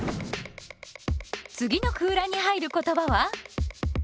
次の空欄に入る言葉は？